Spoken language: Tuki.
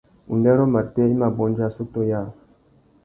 Undêrô matê i mà bôndia assôtô yâā.